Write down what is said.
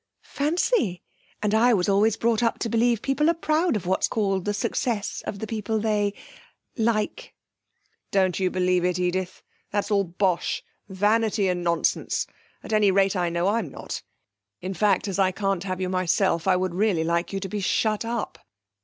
'Fancy! And I was always brought up to believe people are proud of what's called the 'success' of the people that they like.' 'Don't you believe it, Edith! That's all bosh vanity and nonsense. At any rate, I know I'm not. In fact, as I can't have you myself, I would really like you to be shut up.